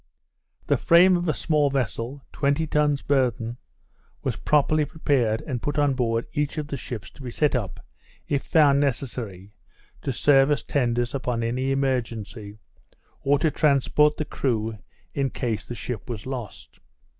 The frame of a small vessel, twenty tons burthen, was properly prepared, and put on board each of the ships to be set up (if found necessary) to serve as tenders upon any emergency, or to transport the crew, in case the ship was lost.